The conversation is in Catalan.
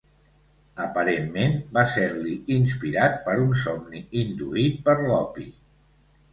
Aparentment, va ser-li inspirat per un somni induït per l'opi.